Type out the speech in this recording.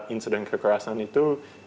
insiden kekerasan itu